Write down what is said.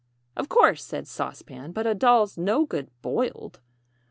"] "Of course," said Sauce Pan, "but a doll's no good boiled!"